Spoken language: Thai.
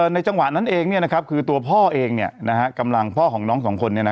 ในจังหวะนั้นเองเนี่ยนะครับคือตัวพ่อเองเนี่ยนะฮะกำลังพ่อของน้องสองคนเนี่ยนะ